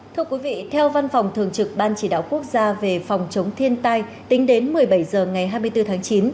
thưa quý vị theo văn phòng thường trực ban chỉ đạo quốc gia về phòng chống thiên tai tính đến một mươi bảy h ngày hai mươi bốn tháng chín